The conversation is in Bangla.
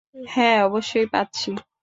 হ্যাঁ, অবশ্যই পাচ্ছি।